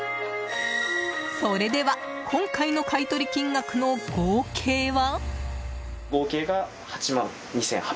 それでは今回の買い取り金額の合計は？